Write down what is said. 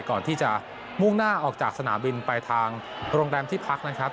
ก่อนที่จะมุ่งหน้าออกจากสนามบินไปทางโรงแรมที่พักนะครับ